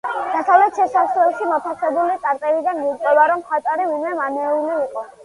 დასავლეთ შესასვლელში მოთავსებული წარწერიდან ირკვევა, რომ მხატვარი ვინმე მანუელი იყო.